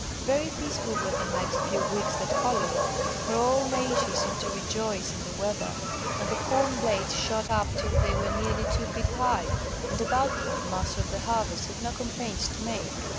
Very peaceful were the next few weeks that followed, for all nature seemed to rejoice in the weather, and the corn blades shot up till they were nearly two feet high, and about them the Master of the Harvest had no complaints to make.